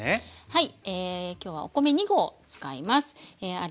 はい。